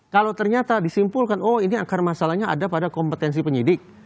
kalau ternyata disimpulkan oh ini akar masalahnya ada pada kompetensi penyidik